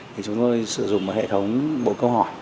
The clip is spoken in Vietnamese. thì chúng tôi sử dụng một hệ thống bộ câu hỏi